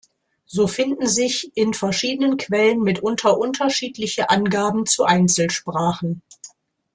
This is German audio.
So finden sich in verschiedenen Quellen mitunter unterschiedliche Angaben zu Einzelsprachen.